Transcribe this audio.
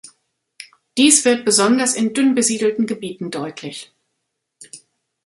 Dies wird besonders in dünnbesiedelten Gebieten deutlich.